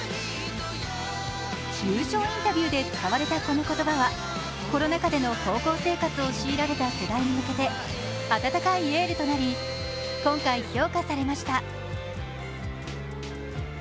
優勝インタビューで使われたこの言葉はコロナ禍での高校生活を強いられた世代に向けて温かいエールとなり今回、評価されました。